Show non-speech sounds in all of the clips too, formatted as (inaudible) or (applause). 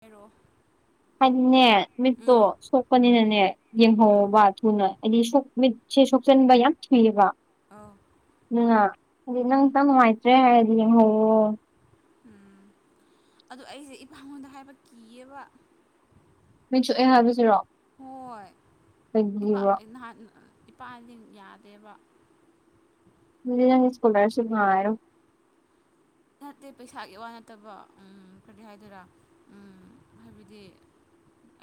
ꯥꯍꯥꯏꯔꯣ ꯍꯥꯏꯗꯤꯅꯦ ꯃꯤꯠꯇꯣ ꯁꯣꯛ ꯄꯅꯤꯅꯅꯦ ꯌꯦꯡꯍꯧꯕ ꯊꯨꯅ ꯍꯥꯏꯗꯤ ꯁꯣꯛ ꯃꯤꯠꯁꯦ ꯁꯣꯛꯆꯟꯕ ꯌꯥꯝ ꯊꯨꯏꯑꯕ ꯑꯥꯎ ꯗꯨꯅ ꯍꯥꯏꯗꯤ ꯅꯪ (unintelligible) ꯅꯨꯉꯥꯏꯇ꯭ꯔꯦ ꯍꯥꯏꯔꯗꯤ ꯌꯦꯡꯍꯧꯋꯣ ꯎꯝ ꯑꯗꯣ ꯑꯩꯖꯦ ꯏꯄꯥꯉꯣꯟꯗ ꯍꯥꯏꯕ ꯀꯤꯌꯦꯕ ꯃꯤꯆꯠ ꯁꯣꯛꯑꯦ ꯍꯥꯏꯕꯁꯤꯔꯣ ꯍꯣꯏ ꯏꯄꯥ ꯀꯩꯒꯤꯕꯣ ꯅꯍꯥꯟ ꯏꯄꯥꯗꯤ ꯌꯥꯗꯦꯕ ꯑꯗꯨꯗꯤ ꯅꯪ ꯏꯁ꯭ꯀꯣꯂꯔꯁꯤꯞ ꯉꯥꯏꯔꯣ ꯅꯠꯇꯦ ꯄꯩꯁꯥꯒꯤ ꯋꯥ ꯅꯠꯇꯕ ꯎꯝ ꯀꯔꯤ ꯍꯥꯏꯗꯣꯏꯔꯥ ꯎꯝ ꯍꯥꯏꯕꯗꯤ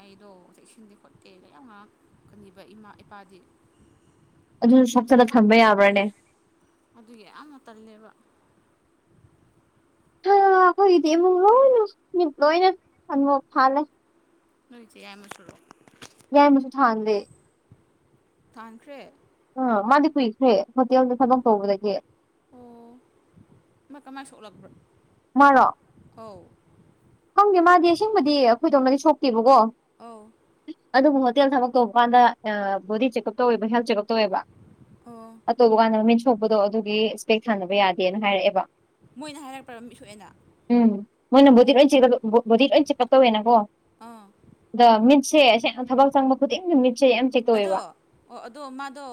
ꯑꯩꯗꯣ ꯆꯦꯛꯁꯤꯟꯗꯦ ꯈꯣꯠꯇꯦꯒ ꯌꯥꯝ ꯉꯥꯛꯀꯥꯅꯤꯕ ꯏꯃꯥ ꯏꯄꯥꯗꯤ ꯑꯗꯨꯖꯨ ꯁꯣꯛꯆꯜꯂ ꯊꯝꯕ ꯌꯥꯕ꯭ꯔꯥꯅꯦ ꯑꯗꯨꯒꯤ ꯌꯥꯝꯅ ꯇꯜꯂꯦꯕ ꯍꯥ ꯑꯈꯣꯏꯒꯤꯗꯤ ꯏꯃꯨꯡ ꯂꯣꯏꯅ ꯃꯤꯠ ꯂꯣꯏꯅ ꯑꯅꯣꯞ ꯊꯥꯜꯂꯦ ꯅꯣꯏ ꯏꯆꯦ ꯌꯥꯏꯃꯁꯨꯔꯣ ꯌꯥꯏꯃꯁꯨ ꯊꯥꯟꯗꯦ ꯊꯥꯟꯈ꯭ꯔꯦ ꯑꯥ ꯃꯥꯗꯤ ꯀꯨꯏꯈ꯭ꯔꯦ ꯍꯣꯇꯦꯜꯗ ꯊꯕꯛ ꯇꯧꯕꯗꯒꯤ ꯑꯣ ꯃꯥ ꯀꯃꯥꯏ ꯁꯣꯛꯂꯛꯕ꯭ꯔꯥ ꯃꯥꯔꯣ ꯑꯧ ꯈꯪꯗꯦ ꯃꯥꯗꯤ ꯑꯁꯦꯡꯕꯗꯤ ꯑꯩꯈꯣꯏꯗꯧꯅꯗꯤ ꯁꯣꯛꯇꯦꯕꯀꯣ ꯑꯧ ꯑꯗꯨꯕꯨ ꯍꯣꯇꯦꯜ ꯊꯕꯛ ꯇꯧꯕ ꯀꯥꯟꯗ ꯕꯣꯗꯤ ꯆꯦꯛꯑꯞ ꯇꯧꯋꯦꯕ ꯍꯦꯜꯠ ꯆꯦꯛꯑꯞ ꯇꯧꯋꯦꯕ ꯑꯣ ꯑꯗꯨ ꯇꯧꯕꯀꯥꯟꯗ ꯃꯤꯠ ꯁꯣꯛꯄꯗꯣ ꯑꯗꯨꯒꯤ ꯏꯁꯄꯦꯛ ꯊꯥꯟꯗꯕ ꯌꯥꯗꯦꯅ ꯍꯥꯏꯔꯛꯑꯦꯕ ꯃꯣꯏꯅ ꯍꯥꯏꯔꯛꯄ꯭ꯔꯥ ꯃꯤꯠ ꯁꯣꯛꯑꯦꯅ ꯎꯝ ꯃꯣꯏꯅ ꯕꯣꯗꯤ ꯂꯣꯏ ꯑꯣ ꯆꯦ (unintelligible) ꯕꯣꯗꯤ ꯂꯣꯏ ꯆꯦꯛ ꯀꯞ ꯇꯧꯋꯦꯅꯀꯣ ꯑꯥ ꯑꯗ ꯃꯤꯠꯁꯦ ꯁꯦꯡꯅ ꯊꯕꯛ ꯆꯪꯕ ꯈꯨꯗꯤꯡꯒꯤ ꯃꯤꯠꯁꯦ ꯌꯥꯝ ꯆꯦꯛ ꯑꯗꯣ ꯇꯧꯋꯦꯕ ꯑꯣ ꯑꯗꯣ ꯃꯥꯗꯣ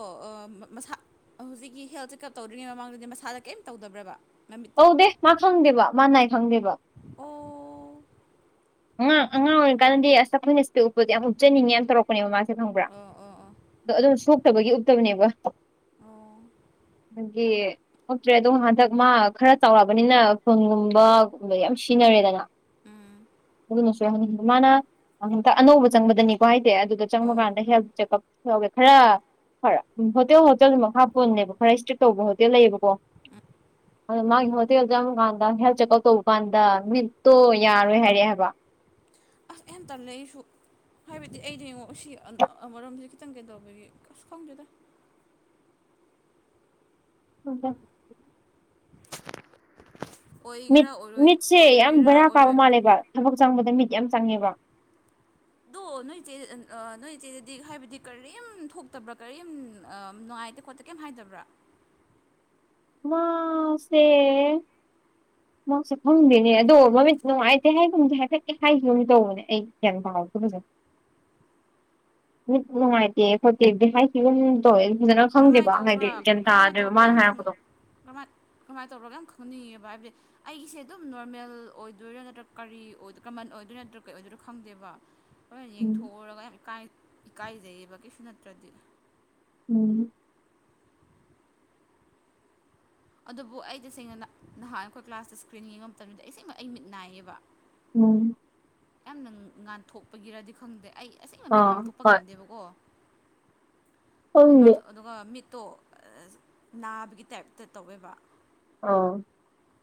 ꯃꯁꯥ ꯍꯧꯖꯤꯛꯀꯤ ꯍꯦꯜꯠ ꯆꯦꯛꯑꯞ ꯇꯧꯗꯔꯤꯉꯩ ꯃꯃꯥꯡꯗꯨꯗꯤ ꯃꯁꯥꯗ ꯀꯔꯤꯝ ꯇꯧꯗꯕ꯭ꯔꯥꯕ ꯑꯧꯗꯦ ꯃꯥ ꯈꯪꯗꯦꯕ ꯃꯥ ꯅꯥꯏ ꯈꯪꯗꯦꯕ ꯑꯣ ꯑꯉꯥꯡ ꯑꯉꯥꯡ ꯑꯣꯏꯔꯤꯀꯥꯟꯗꯗꯤ ꯑꯁ ꯑꯩꯈꯣꯏꯅ ꯏꯁꯄꯦꯛ ꯎꯞꯄꯗꯣ ꯌꯥꯝ ꯎꯞꯆꯅꯤꯡꯉꯦ ꯌꯥꯝ ꯇꯧꯔꯛꯄꯅꯦꯕ ꯃꯥꯁꯦ ꯈꯪꯕ꯭ꯔꯥ ꯑꯣ ꯑꯣ ꯑꯗꯣ ꯑꯗꯨꯝ ꯁꯣꯛꯇꯕꯒꯤ ꯎꯞꯛꯇꯕꯅꯦꯕ ꯑꯣ ꯃꯥꯒꯤ ꯊꯣꯛꯇ꯭ꯔꯦ ꯑꯗꯣ ꯍꯟꯗꯛ ꯃꯥ ꯈꯔ ꯆꯥꯎꯔꯑꯔꯕꯅꯤꯅ ꯐꯨꯟꯒꯨꯝꯕꯨꯝꯕ ꯌꯥꯝ ꯁꯤꯖꯤꯟꯅꯔꯦꯗꯅ ꯎꯝ ꯑꯗꯨꯅꯁꯨ ꯍ ꯃꯥꯅ ꯍꯟꯛꯇ ꯑꯅꯧꯕ ꯆꯪꯕꯗꯅꯤꯀꯣ ꯍꯥꯏꯗꯤ ꯑꯗꯨꯗ ꯑꯧ ꯆꯪꯕꯀꯥꯟꯗ ꯍꯦꯜ ꯆꯦꯛꯑꯞ ꯌꯥꯒꯦ ꯈꯔ ꯈꯔ ꯍꯣꯇꯦꯜ ꯍꯣꯇꯦꯜꯗꯨꯃꯛ ꯍꯥꯞꯄꯣꯅꯦꯕ ꯈꯔ ꯏꯁꯇ꯭ꯔꯤꯛ ꯇꯧꯕ ꯍꯣꯇꯦꯜ ꯂꯩꯌꯦꯕꯀꯣ ꯑꯣ ꯃꯥꯒꯤ ꯍꯣꯇꯦꯜ ꯆꯪꯉꯀꯥꯟꯗ ꯍꯦꯜ ꯆꯦꯛꯑꯞ ꯇꯧꯕ ꯀꯥꯟꯗ ꯃꯤꯠꯇꯣ ꯌꯥꯔꯣꯏ ꯍꯥꯏꯔꯦ ꯍꯥꯏ ꯋꯥ ꯍꯦꯟ ꯇꯜꯂꯦ ꯑꯩꯁꯨ ꯍꯥꯏꯕꯗꯤ ꯑꯩꯗꯤ ꯌꯦꯡꯉꯛꯑꯣ ꯁꯤ ꯑꯃꯔꯣꯝꯗ ꯈꯤꯇꯪ ꯀꯩꯗꯧꯕꯒꯤ ꯑꯁ ꯈꯪꯖꯦꯗ (inaudible) ꯃꯤꯠ ꯑꯣꯏꯒꯦꯔꯥ ꯑꯣꯏꯔꯣꯏ ꯃꯤꯠꯁꯦ ꯌꯥꯝ ꯑꯣꯏꯒꯦꯔꯥ ꯕꯔꯥ ꯀꯥꯕ ꯑꯣꯏꯔꯣꯏ ꯃꯥꯜꯂꯦꯕ ꯊꯕꯛ ꯆꯪꯕꯗ ꯃꯤꯠ ꯌꯥꯝ ꯆꯪꯉꯦꯕ ꯑꯗꯣ ꯅꯣꯏ ꯏꯆꯦ ꯅꯣꯏ ꯏꯆꯦꯗꯗꯤ ꯍꯥꯏꯕꯗꯤ ꯀꯔꯤꯝ ꯊꯣꯛꯇꯕ꯭ꯔꯥ ꯀꯔꯤꯝ ꯅꯨꯡꯉꯥꯏꯇꯦ ꯈꯣꯠꯇ ꯀꯩꯝ ꯍꯥꯏꯗꯕ꯭ꯔꯥ ꯃꯥꯁꯦ ꯃꯥꯁꯨ ꯐꯪꯗꯦꯅꯦ ꯑꯗꯣ ꯃꯃꯤꯠ ꯅꯨꯡꯉꯥꯏꯇꯦ ꯍꯥꯏꯒꯨꯝꯁꯦ ꯍꯥꯏꯐꯠꯀꯦ ꯍꯥꯏꯈꯤꯕꯨꯝ ꯇꯧꯕꯅꯦ ꯑꯩ ꯒꯌꯥꯟ ꯇꯥꯍꯧꯗꯦꯖꯦ ꯃꯤꯠ ꯅꯨꯡꯉꯥꯏꯇꯦ ꯈꯣꯠꯇꯗꯤ ꯍꯥꯏꯁꯤꯒꯨꯝ ꯍꯣꯏ ꯑꯩ ꯐꯖꯅ ꯈꯪꯗꯦꯕ ꯀꯔꯝꯍꯥꯏꯅ ꯇꯧꯕ꯭ꯔꯥ ꯍꯥꯏꯗꯤ ꯒ꯭ꯌꯥꯟ ꯀꯔꯝꯍꯥꯏꯅ ꯇꯥꯗ꯭ꯔꯕ ꯇꯧꯕ꯭ꯔꯥ ꯃꯥꯅ ꯌꯥꯝ ꯍꯥꯏꯔꯛꯄꯗꯣ ꯀꯃꯥꯏ ꯀꯃꯥꯏꯅ ꯇꯧꯔꯒ ꯌꯥꯝ ꯈꯪꯅꯤꯡꯉꯦꯕ ꯍꯥꯏꯕꯗꯤ ꯑꯩꯒꯤꯁꯦ ꯑꯗꯨꯝ ꯅꯣꯔꯃꯦꯜ ꯑꯣꯏꯗꯣꯏꯔꯥ ꯅꯠꯇ꯭ꯔ ꯀꯔꯤ ꯀꯃꯟ ꯑꯣꯏꯗꯣꯏꯔꯣ ꯅꯠꯇ꯭ꯔꯣ ꯀꯔꯤ ꯑꯣꯏꯗꯣꯏꯔꯣ ꯈꯪꯗꯦꯕ ꯍꯣꯏ ꯎꯝ ꯌꯦꯡꯊꯣꯛꯎꯔꯒ ꯌꯥꯝ ꯏꯀꯥꯏꯖꯩꯌꯦꯕ ꯀꯩꯁꯨ ꯅꯠꯇ꯭ꯔꯗꯤ ꯎꯝ ꯑꯗꯨꯕꯨ ꯑꯩ ꯇꯁꯦꯡꯅ ꯅꯍꯥꯟ ꯑꯩꯈꯣꯏ ꯀ꯭ꯂꯥꯁꯇ ꯏꯁꯀ꯭ꯔꯤꯟ ꯌꯦꯡꯉ ꯃꯇꯝꯗ ꯑꯩ ꯏꯁꯦꯡꯃꯛ ꯑꯩ ꯃꯤꯠ ꯅꯥꯏꯌꯦꯕ ꯎꯝ ꯌꯥꯝꯅ ꯉꯥꯟꯊꯣꯛꯄꯒꯤꯔꯗꯤ ꯈꯪꯗꯦ ꯑꯩ ꯑꯁꯦꯡꯕ ꯃꯤꯠ ꯑꯥ ꯄꯥꯡꯊꯣꯛꯄ ꯍꯣꯏ ꯉꯝꯗꯦꯕꯀꯣ ꯃꯤ ꯈꯪꯗꯦ ꯑꯗꯨꯒ ꯃꯤꯠꯇꯣ ꯅꯥꯕꯒꯤ ꯇꯥꯏꯞꯇ ꯇꯧꯋꯦꯕ ꯑꫭ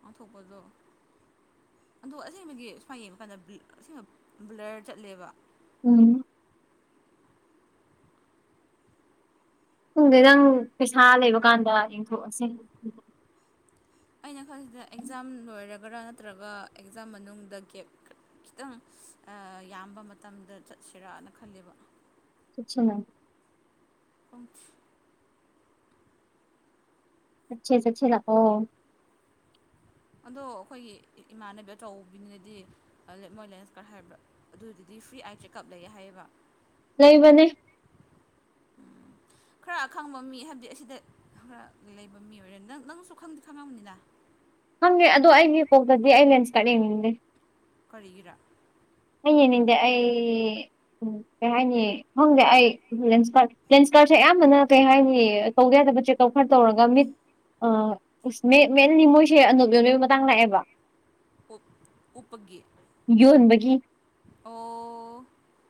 ꯉꯥꯡꯊꯣꯛꯄꯗꯣ ꯑꯗꯣ ꯑꯁꯦꯡꯕꯒꯤ ꯁꯨꯃꯥꯏ ꯌꯦꯡꯕ ꯀꯥꯟꯗ ꯑꯁꯤꯅ ꯕ꯭ꯂꯔ ꯆꯠꯂꯦꯕ ꯎꯝ ꯄꯨꯡꯗ ꯅꯪ ꯄꯩꯁꯥ ꯂꯩꯕ ꯀꯥꯟꯗ ꯌꯦꯡꯊꯣꯛꯑꯁꯤ ꯑꯩꯅ ꯈꯟꯁꯤꯗ ꯑꯦꯛꯖꯥꯝ ꯂꯣꯏꯔꯒꯔꯥ ꯅꯠꯇ꯭ꯔꯒ ꯑꯦꯛꯖꯥꯝ ꯃꯅꯨꯡꯗ ꯒꯦꯞ ꯈꯤꯇꯪ ꯑꯥ ꯌꯥꯝꯕ ꯃꯇꯝꯗ ꯆꯠꯁꯤꯔꯥꯅ ꯈꯜꯂꯦꯕ (inaudible) ꯄꯪꯁꯤ (unintelligible) ꯂꯑꯣ ꯑ ꯑꯗꯣ ꯑꯩꯈꯣꯏꯒꯤ ꯏꯃꯥꯟꯅꯕꯤ ꯑꯆꯧꯕꯤꯅꯤꯅꯗꯤ ꯂꯦꯞ ꯃꯣꯏꯂꯦꯟꯁ ꯈꯔ ꯍꯥꯏꯕ꯭ꯔꯥ ꯑꯗꯨꯗꯨꯗꯤ ꯐ꯭ꯔꯤ ꯑꯥꯏ ꯆꯦꯛꯑꯞ ꯂꯩꯌꯦ ꯍꯥꯏꯌꯦꯕ ꯂꯩꯕꯅꯦ ꯈꯔ ꯑꯈꯪꯕ ꯃꯤ ꯍꯥꯏꯕꯗꯤ ꯑꯁꯤꯗ ꯈꯔ ꯂꯩꯕ ꯃꯤ ꯑꯣꯏꯔꯦ ꯅꯪ ꯅꯪꯁꯨ ꯈꯪꯗꯤ ꯈꯪꯉꯕꯅꯤꯅ ꯈꯪꯉꯦ ꯑꯗꯣ ꯑꯩꯒꯤ ꯀꯣꯛꯇꯗꯤ ꯑꯩ ꯂꯦꯟꯁꯇꯠ ꯌꯦꯡꯅꯤꯡꯗꯦ ꯀꯔꯤꯒꯤꯔ ꯑꯩꯩ ꯌꯡꯅꯤꯡꯗꯦ ꯑꯩ ꯎꯝ ꯀꯩ ꯍꯥꯏꯅꯤ ꯈꯪꯗꯦ ꯑꯩ ꯂꯦꯟꯁ ꯀꯥꯔ ꯂꯦꯟꯁ ꯀꯥꯔꯠꯁꯦ ꯑꯌꯥꯝꯕꯅ ꯀꯩ ꯍꯥꯏꯅꯤ ꯇꯧꯗ ꯌꯥꯗꯕ ꯆꯦꯛꯑꯞ ꯈꯔ ꯇꯧꯔꯒ ꯃꯤꯠ ꯑ ꯑꯁ ꯃꯦꯟ ꯃꯦꯟꯂꯤ ꯃꯣꯏꯁꯦ ꯑꯅꫭꯞ ꯌꯣꯟꯕꯩ ꯃꯇꯥꯡ ꯂꯥꯛꯑꯦꯕ꯫ ꯎꯞ ꯎꯞꯄꯒꯤ ꯌꯣꯟꯕꯒꯤ ꯑꯣ꯫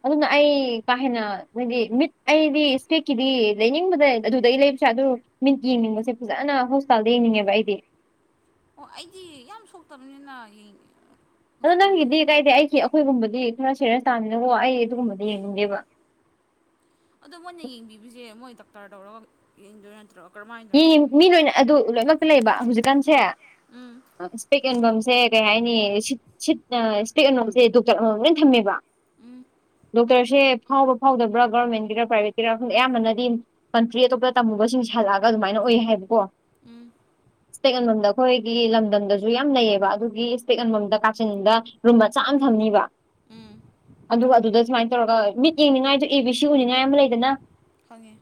ꯑꯗꯨꯅ ꯑꯩ ꯀꯥ ꯍꯦꯟꯅ ꯍꯥꯏꯗꯤ ꯃꯤꯠ ꯑꯩꯗꯤ ꯏꯁ꯭ꯄꯦꯛꯀꯤꯗꯤ ꯂꯩꯅꯤꯡꯕꯗ ꯑꯗꯨꯗꯒꯤ ꯂꯩꯕꯁꯨ ꯌꯥꯏ ꯑꯗꯨ ꯃꯤꯠ ꯌꯦꯡꯅꯤꯡꯕꯁꯦ ꯐꯖꯅ ꯍꯣꯁꯇꯥꯜꯗ ꯌꯦꯡꯅꯤꯡꯉꯦꯕ ꯑꯩꯗꯤ꯫ ꯑꯣ ꯑꯩꯗꯤ ꯌꯥꯝ ꯁꯣꯛꯇꯕꯅꯤꯅ ꯌꯦꯡ ꯑ ꯑꯗꯣ ꯅꯪꯒꯤꯗꯤ ꯀꯥꯏꯗꯦ ꯑꯩꯒꯤ ꯑꯩꯈꯣꯏꯒꯨꯝꯕꯗꯤ ꯈꯔ ꯁꯦꯔꯦꯁ ꯇꯥꯕꯅꯤꯅꯀꯣ ꯑꯩ ꯑꯗꯨꯒꯨꯝꯕꯗꯤ ꯌꯦꯡꯅꯤꯡꯗꯦꯕ꯫ ꯑꯗꯣ ꯃꯣꯏꯅ ꯌꯦꯡꯕꯤꯕꯁꯦ ꯃꯣꯏ ꯗꯥꯛꯇꯔ ꯇꯧꯔꯒ ꯌꯦꯡꯗꯣꯏ ꯅꯠꯇ꯭ꯔꯣ꯫ ꯃꯤ ꯀꯔꯝꯍꯥꯏꯅꯔꯣ ꯃꯤ ꯂꯣꯏꯅ ꯑꯗꯨ ꯂꯣꯏꯅꯃꯛꯇ ꯂꯩꯕ ꯍꯧꯖꯤꯛꯀꯥꯟꯁꯦ꯫ ꯎꯝ ꯁ꯭ꯄꯦꯛ ꯌꯣꯟꯐꯝꯝꯁꯦ ꯀꯩ ꯍꯥꯏꯅꯤꯁꯤꯠ ꯁꯤꯠꯇ ꯁ꯭ꯄꯦꯛ ꯌꫭꯟꯐꯝꯁꯦ ꯗꯣꯛꯇꯔ ꯑ ꯂꯣꯏ ꯊꯝꯃꯦꯕ꯫ ꯎꯝ꯫ ꯗꯣꯛꯇꯔꯁꯦ ꯐꯥꯎꯕ ꯐꯥꯎꯗꯕ꯭ꯔꯥ ꯒꯔꯃꯦꯟꯒꯤꯔꯥ ꯄ꯭ꯔꯥꯏꯚꯦꯠꯀꯤꯔꯥ ꯈꯪꯗꯦ ꯑꯌꯥꯝꯕꯅꯗꯤ ꯀꯟꯇ꯭ꯔꯤ ꯑꯇꯣꯞꯄꯗ ꯇꯝꯃꯨꯕꯁꯤꯡꯁꯤ ꯍꯜꯂꯥꯛꯑꯒ ꯑꯗꯨꯃꯥꯏꯅ ꯑꯣꯏ ꯍꯥꯏꯕꯀꯣ꯫ ꯎꯝ꯫ (inaudible) ꯏꯁ꯭ꯄꯦꯛ ꯌꫭꯟꯕꯝꯗ ꯑꯩꯈꯣꯏꯒꯤ ꯂꯝꯗꯝꯗꯁꯨ ꯌꯥꯝ ꯂꯩꯌꯦꯕ ꯑꯗꯨꯒꯤ ꯏꯁ꯭ꯄꯦꯠ ꯌꫭꯟꯚꯝꯗ ꯀꯥꯆꯤꯟꯗ ꯔꯨꯝ ꯃꯆꯥ ꯑꯃ ꯊꯝꯅꯤꯕ꯫ ꯎꯝ꯫ ꯑꯗꯨꯒ ꯑꯗꯨꯗ ꯁꯨꯃꯥꯏꯅ ꯇꯧꯔꯒ ꯃꯤꯠ ꯌꯦꯡꯅꯤꯡꯉꯥꯏꯗꯣ ꯑꯦ ꯕꯤ ꯁꯤ ꯎꯅꯤꯡꯉꯥꯏ ꯑꯃ ꯂꯩꯗꯅ꯫ ꯈꯪꯉꯦ꯫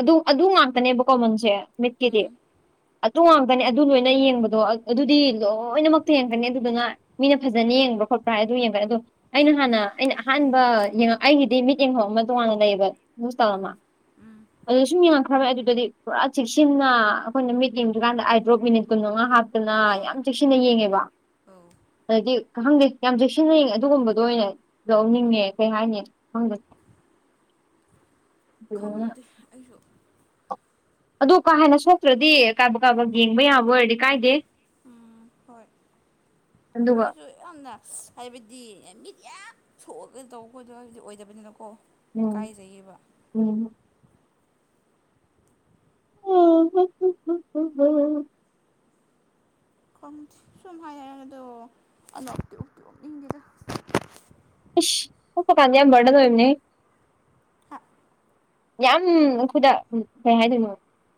ꯑꯗꯨ ꯑꯗꯨ ꯉꯥꯛꯇꯅꯦꯕꯀꯣ ꯃꯟꯁꯦ ꯃꯤꯠꯀꯤꯗꯤ꯫ ꯎꯝ ꯑꯗꯨ ꯉꯥꯛꯇꯅꯦ ꯑꯗꯨ ꯂꯣꯏꯅ ꯌꯦꯡꯕꯗꯣ ꯑꯗꯨꯗꯤ ꯂꯣꯏꯅꯃꯛꯇ ꯌꯦꯡꯒꯅꯤ ꯑꯗꯨꯗꯨꯅ ꯃꯤꯅ ꯐꯖꯅ ꯌꯦꯡꯕ꯭ꯔꯥ ꯈꯣꯠꯄ꯭ꯔ ꯍꯥꯏ ꯑꯗꯨꯝ ꯌꯦꯡꯕ ꯑꯗꯨ ꯑꯩꯅ ꯍꯥꯟꯅ ꯑꯩꯅ ꯑꯍꯥꯟꯕ ꯌꯦꯡꯉꯛ ꯑꯩꯒꯤꯗꯤ ꯃꯤꯠ ꯌꯦꯡꯐꯝ ꯑꯃ ꯇꯣꯉꯥꯟꯅ ꯂꯩꯑꯦꯕ꯫ ꯍꯣꯁꯄꯤꯇꯥꯜ ꯑꯃ ꯎꯝ ꯎꯝ ꯑꯗꯨꯗ ꯁꯨꯝ ꯌꯦꯡꯉꯛꯈ꯭ꯔꯕ ꯑꯗꯨꯗꯗꯤ꯫ ꯄꯨꯔꯥ ꯆꯦꯛꯁꯤꯟꯅ ꯑꯈꯣꯏꯅ ꯃꯤꯠ ꯌꯦꯡꯗ꯭ꯔꯤꯀꯥꯟꯗ ꯑꯥꯏꯗ꯭ꯔꯣꯞ ꯃꯤꯅꯤꯠ ꯀꯨꯟ ꯃꯉꯥ ꯍꯥꯞ ꯇꯅꯥ ꯑꯥꯎ ꯌꯥꯝ ꯆꯦꯛꯁꯤꯟꯅ ꯌꯦꯡꯉꯦꯕ꯫ ꯑꯧ ꯑꯗꯗꯤ ꯈꯪꯗꯦ ꯌꯥꯝ ꯆꯦꯛꯁꯤꯟꯅ ꯌꯦꯡꯉꯦ ꯑꯗꯨꯒꯨꯝꯕꯗ ꯑꯣꯏꯅ꯫ ꯂꯧꯅꯤꯡꯉꯦ ꯀꯩ ꯍꯥꯏꯅꯤ ꯈꯪꯗꯦ꯫ ꯑꯗꯨꯗꯨꯅ ꯈꯪꯗꯦ ꯑꯩꯁꯨ꯫ ꯑꯗꯣ ꯀꯥ ꯍꯦꯟꯅ ꯁꯣꯛꯇ꯭ꯔꯗꯤ ꯀꯥꯕꯛ ꯀꯕꯛ ꯌꯦꯡꯕ ꯌꯥꯕ ꯑꯣꯏꯔꯗꯤ ꯀꯥꯏꯗꯦ꯫ ꯎꯝ ꯍꯣꯏ ꯑꯗꯣ ꯑꯗꯨꯒ ꯑꯩꯖꯨ ꯌꯥꯝꯅ ꯍꯥꯏꯕꯗꯤ ꯃꯤꯠ ꯌꯥꯝ ꯁꯣꯛꯑꯒ ꯇꯧꯕꯗꯣ ꯍꯥꯏꯕꯗꯤ ꯑꯣꯏꯗꯕꯅꯤꯅꯀꯣ꯫ ꯎꯝ ꯏꯀꯥꯏꯖꯩꯌꯦꯕ ꯎꯝ꯫ (unintelligible) ꯈꯪꯗꯦ ꯁꯨꯝ ꯍꯥꯏ ꯍꯥꯏꯔ ꯑꯗꯣ ꯑꯅꯣꯛꯇꯤ ꯎꯞꯇꯤ ꯎꯞꯅꯤꯡꯗꯦꯗ꯫ ꯏꯁ ꯎꯞꯄ ꯀꯥꯟꯗ ꯌꯥꯝ ꯕꯔꯗꯟ ꯑꯣꯏꯕꯅꯦ꯫ (unintelligible) ꯌꯥꯝ ꯑꯩꯈꯣꯏꯗ ꯀꯩ ꯍꯥꯏꯗꯣꯏꯅꯣ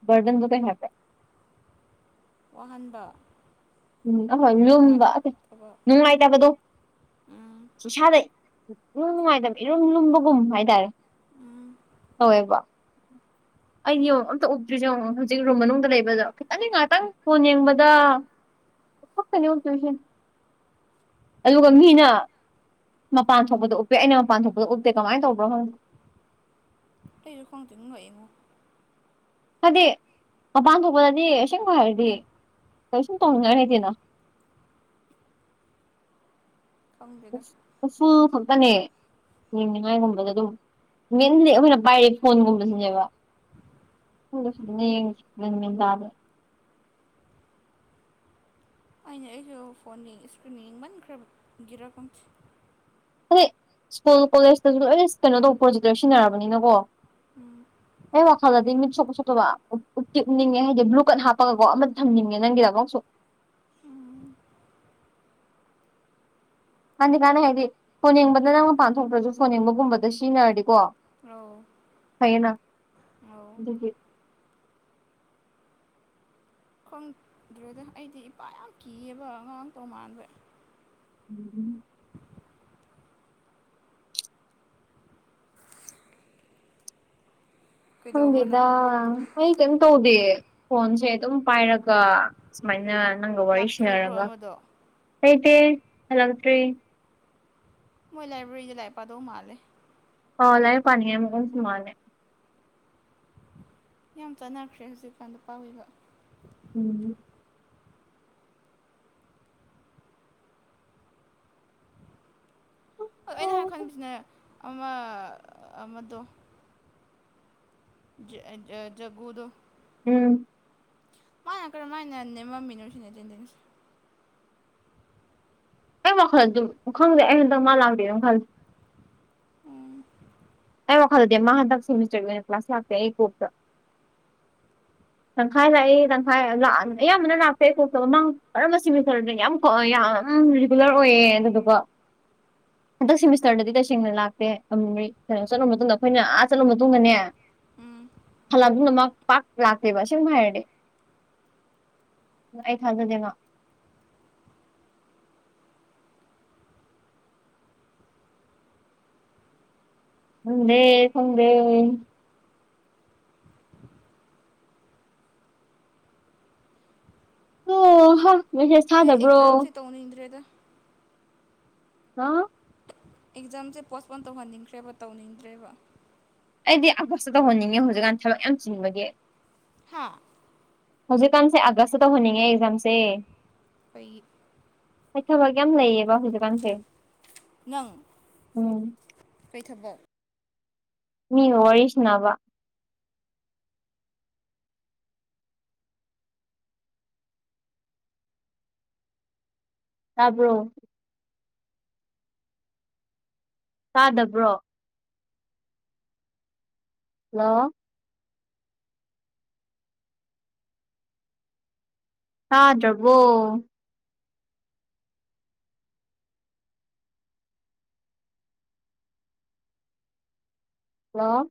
ꯕꯔꯗꯟꯗꯣ ꯀꯩ ꯍꯥꯏꯕ꯭ꯔꯥ꯫ ꯋꯥꯍꯟꯕ꯫ ꯎꯝ ꯑꯍꯣꯏ ꯂꯨꯝꯕ ꯑꯇꯦ ꯅꯨꯡꯉꯥꯏꯇꯕ ꯅꯨꯡꯉꯥꯏꯇꯕꯗꯣ꯫ ꯎꯝ ꯏꯁꯥꯗ ꯏꯅꯨꯡ ꯅꯨꯡꯉꯥꯏꯇꯕ ꯏꯔꯨꯝ ꯂꯨꯝꯕꯒꯨꯝ ꯍꯥꯏꯇꯥꯔꯦ ꯎꯝ ꯇꯧꯋꯦꯕ꯫ ꯑꯩꯗꯤ ꯌꯦꯡꯉꯣ ꯑꯝꯇ ꯎꯞꯇ꯭ꯔꯤꯁꯦ ꯌꯦꯡꯉꯣ ꯍꯧꯖꯤꯛ ꯔꯨꯝ ꯃꯅꯨꯡꯗ ꯂꯩꯕꯗꯣ ꯈꯤꯇꯪꯅꯦ ꯉꯥꯏꯍꯥꯛꯇꯪ ꯐꯣꯟ ꯌꯦꯡꯕꯗ ꯈꯛꯇꯅꯦ ꯎꯞꯇꯣꯢꯁꯦ ꯑꯗꯨꯒ ꯃꯤꯅ ꯃꯄꯥꯟ ꯊꯣꯛꯄꯗ ꯎꯞꯄꯦ ꯑꯩꯅ ꯃꯥꯄꯥꯟ ꯊꯣꯛꯄꯗ ꯎꯞꯇꯦ ꯀꯃꯥꯏꯅ ꯇꯧꯕ꯭ꯔꯣ ꯈꯪꯗꯦ꯫ ꯑꯩꯖꯨ ꯈꯪꯗꯦ ꯉꯛꯑꯦꯉꯣ꯫ ꯍꯥꯏꯗꯤ ꯃꯄꯥꯟ ꯊꯣꯛꯄꯗꯗꯤ ꯑꯁꯦꯡꯕ ꯍꯥꯏꯔꯗꯤ ꯀꯩꯁꯨꯝ ꯇꯧꯅꯤꯡꯉꯥꯢ ꯂꯩꯇꯦꯅꯥ ꯈꯪꯗꯦꯗ ꯎꯐ ꯎꯐꯨꯜ ꯈꯛꯇꯅꯦ꯫ ꯌꯦꯡꯅꯤꯡꯉꯥꯏꯒꯨꯝꯕꯗ ꯑꯗꯨꯝ ꯃꯦꯟꯗꯤ ꯑꯩꯈꯣꯏꯅ ꯄꯥꯏꯔꯤ ꯐꯣꯟꯒꯨꯝꯕꯁꯤꯅꯦꯕ꯫ (unintelligible) ꯑꯩꯅ ꯑꯩꯁꯨ ꯐꯣꯟꯒꯤ ꯏꯁꯀ꯭ꯔꯤꯟ ꯌꯦꯡꯃꯟꯈ꯭ꯔꯕꯒꯤꯔ ꯈꯪꯇꯦ ꯍꯗꯤ ꯁ꯭ꯀꯨꯜ ꯀꯣꯂꯦꯖꯇꯁꯨ ꯂꯣꯏꯅ ꯀꯩꯅꯣ ꯇꯧꯕ ꯄ꯭ꯔꯣꯖꯦꯛꯇꯔ ꯁꯤꯖꯤꯟꯅꯔꯕꯅꯤꯅꯀꯣ꯫ ꯎꯝ ꯑꯩ ꯋꯥꯈꯜꯗꯗꯤ ꯃꯤꯠ ꯁꯣꯛꯄ ꯁꯣꯛꯇꯕ ꯎꯞꯇꯤ ꯎꯞꯅꯤꯡꯉꯦ ꯍꯥꯏꯗꯤ ꯕ꯭ꯂꯨ ꯀꯠ ꯍꯥꯞꯄꯒꯀꯣ ꯑꯃꯗꯤ ꯊꯝꯅꯤꯡꯉꯦ ꯅꯪꯒꯤꯗꯃꯛꯁꯨ꯫ ꯎꯝ ꯀꯥꯟꯗꯤ ꯀꯥꯟꯅꯩ ꯍꯥꯏꯗꯤ ꯐꯣꯟ ꯌꯦꯡꯕꯗ ꯅꯪ ꯃꯄꯥꯟ ꯊꯣꯛꯇ꯭ꯔꯁꯨ ꯐꯣꯟ ꯌꯦꯡꯕꯒꯨꯝꯕꯗ ꯁꯤꯖꯤꯟꯅꯔꯗꯤꯀꯣ꯫ ꯑꯧ꯫ ꯐꯩꯌꯦꯅꯥ ꯑꯧ ꯑꯗꯨꯒꯤ꯫ ꯈꯪꯗ꯭ꯔꯦꯗ ꯑꯩꯗꯤ ꯏꯄꯥ ꯌꯥꯝ ꯀꯤꯌꯦꯕ ꯑꯉꯥꯡ ꯇꯧꯃꯥꯟꯕꯩ ꯎꯝ (unintelligible) ꯀꯩꯗꯧꯕ꯭ꯔꯣꯅꯣ ꯈꯪꯗꯦꯗꯥ ꯑꯩ ꯀꯩꯝ ꯇꯧꯗꯦ ꯐꯣꯟꯁꯦ ꯗꯨꯝ ꯄꯥꯏꯔꯒ ꯁꯨꯃꯥꯏꯅ ꯅꯪꯒ ꯋꯥꯔꯤ ꯂꯥꯛꯇ꯭ꯔꯤꯕ꯭ꯔꯣ ꯁꯅꯔꯒ ꯑꯃꯗꯣ ꯂꯩꯇꯦ ꯍꯂꯛꯇ꯭ꯔꯤ ꯃꯣꯏ ꯂꯥꯏꯕ꯭ꯔꯦꯔꯤꯗ ꯂꯥꯏꯛ ꯄꯥꯗꯧ ꯃꯥꯜꯂꯦ꯫ ꯑꯣ ꯂꯥꯏꯔꯤꯛ ꯄꯥꯅꯤꯡꯉꯥꯏ ꯃꯑꯣꯡꯁꯨ ꯃꯥꯜꯂꯦ ꯌꯥꯝ ꯆꯥꯟꯅꯈ꯭ꯔꯦ ꯍꯧꯖꯤꯛꯀꯥꯟ ꯅꯨꯄꯥ ꯍꯣꯏꯒ ꯎꯝ ꯍꯣꯏ ꯑꯩꯅ ꯍꯥꯟ ꯈꯟꯕꯁꯤꯅꯥ ꯑꯃ ꯑꯃꯗꯣ ꯖꯦ ꯑ ꯑꯥ ꯖꯒꯨꯗꯣ ꯎꯝ ꯃꯥꯅ ꯀꯔꯝꯃꯥꯏꯅ ꯅꯦꯝꯃꯝꯃꯤꯅꯣ ꯁꯤꯅꯤ ꯑꯦꯇꯦꯟꯗꯦꯟꯁꯁꯦ ꯑꯩ ꯋꯥꯈꯜꯗ ꯑꯗꯨꯝ ꯈꯪꯗꯦ ꯑꯩ ꯍꯟꯗꯛ ꯃꯥ ꯂꯥꯛꯇꯦ ꯗꯨꯝ ꯈꯜꯂꯤ ꯎꯝ ꯑꯩ ꯋꯥꯈꯜꯗꯗꯤ ꯃꯥ ꯍꯟꯗꯛ ꯁꯦꯃꯤꯁꯇꯔꯒꯤ ꯑꯣꯏꯅ ꯀ꯭ꯂꯥꯁ ꯂꯥꯛꯇꯦ ꯑꯩ ꯀꯣꯛꯇ꯫ ꯇꯪꯈꯥꯏ ꯂꯥꯛꯏ ꯇꯪꯈꯥꯏ ꯂꯥꯛ ꯑꯌꯥꯝꯕꯅ ꯂꯥꯛꯇꯦ ꯑꯩ ꯀꯣꯛꯇ ꯃꯃꯥꯡ ꯀꯔꯝꯕ ꯁꯤꯃꯤꯊꯔꯗꯅꯣ ꯌꯥꯝ ꯍꯣꯏ ꯌꯥꯝ ꯔꯤꯒꯨꯂꯔ ꯑꯣꯏꯌꯦ ꯑꯗꯨꯗꯨꯒ ꯍꯟꯗꯛ ꯁꯦꯃꯤꯁꯇꯔꯗꯗꯤ ꯇꯁꯦꯡꯅ ꯂꯥꯛꯇꯦ ꯑꯝꯔꯤ ꯀꯩꯅꯣ ꯆꯠꯂꯨꯔ ꯃꯇꯨꯡꯗ ꯑꯩꯈꯣꯏꯅ ꯑꯥ ꯆꯠꯂꯨ ꯃꯇꯨꯡꯗꯅꯦ ꯎꯝ ꯍꯜꯂꯛꯑ ꯃꯇꯨꯡꯗ ꯃꯥ ꯄꯥꯛ ꯂꯥꯛꯇꯦꯕ ꯑꯁꯦꯡꯕ ꯍꯥꯏꯔꯗꯤ ꯑꯩ ꯊꯥꯖꯗꯦ ꯃꯥ ꯈꯪꯗꯦ ꯈꯪꯗꯦ ꯑꯣ ꯍꯥꯥ ꯑꯩ ꯑꯦꯛꯖꯥꯝꯁꯦ ꯇꯧꯅꯤꯡꯗ꯭ꯔꯦꯗ (unintelligible) ꯑꯦꯛꯖꯥꯝꯁꯦ ꯄꯣꯁꯄꯣꯟ ꯇꯧꯍꯟꯅꯤꯡꯈ꯭ꯔꯦꯕ ꯇꯧꯅꯤꯡꯗ꯭ꯔꯦꯕ ꯑꯩꯗꯤ ꯑꯒꯁ ꯇ ꯇꯧꯍꯟꯅꯤꯡꯉꯦ ꯍꯧꯖꯤꯛꯀꯥꯟ ꯊꯕꯛ ꯌꯥꯝ ꯆꯤꯟꯕꯒꯤ ꯍꯥꯥ ꯍꯧꯖꯤꯛꯀꯥꯟꯁꯦ ꯑꯥꯒꯁ ꯇ ꯇꯧꯍꯟꯅꯤꯡꯉꯦ ꯑꯦꯛꯖꯥꯝꯁꯦ ꯀꯩꯒꯤ ꯑꯩ ꯊꯥꯕꯛ ꯌꯥꯝ ꯂꯩꯌꯦꯕ ꯍꯧꯖꯤꯛꯀꯥꯟꯁꯦ ꯅꯪ ꯎꯝ ꯀꯩ ꯊꯕꯛ ꯃꯤꯒ ꯋꯥꯔꯤ ꯁꯟꯅꯥꯕ ꯇꯥꯕ꯭ꯔꯣ ꯇꯥꯗꯕ꯭ꯔꯣ ꯍꯜꯂꯣ ꯍꯥꯥꯗ꯭ꯕꯣ ꯍꯂꯣ